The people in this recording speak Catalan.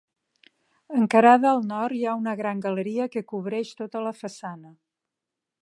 Encarada al nord hi ha una gran galeria que cobreix tota la façana.